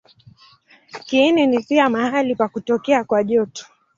Kiini ni pia mahali pa kutokea kwa joto.